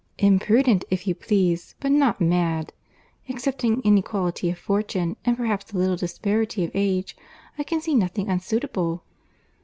"Imprudent, if you please—but not mad. Excepting inequality of fortune, and perhaps a little disparity of age, I can see nothing unsuitable."